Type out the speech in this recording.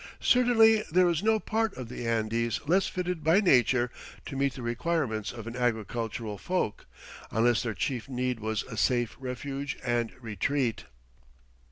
Certainly there is no part of the Andes less fitted by nature to meet the requirements of an agricultural folk, unless their chief need was a safe refuge and retreat.